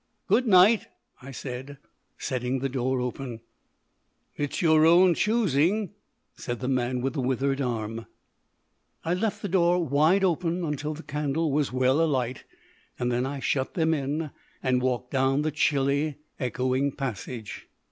"Good night," I said, setting the door open. "It's your own choosing," said the man with the withered arm. I left the door wide open until the candle was well alight, and then I shut them in and walked down the chilly, echoing passage.